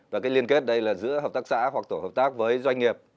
và cái liên kết đây là giữa hợp tác xã hoặc tổ hợp tác với doanh nghiệp